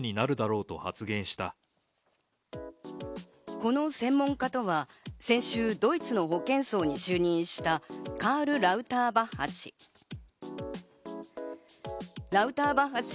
この専門家とは先週、ドイツの保健相に就任したカール・ラウターバッハ氏。